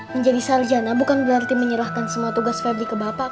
menjadi sarjana bukan berarti menyerahkan semua tugas febri ke bapak